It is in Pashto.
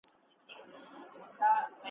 یو ځل مي جهان ته وکتل او بیا مي ,